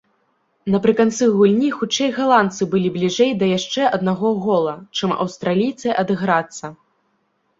Напрыканцы гульні хутчэй галандцы былі бліжэй да яшчэ аднаго гола, чым аўстралійцы адыграцца.